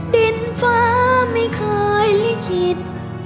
ดินฟ้าไม่เคยลิขิต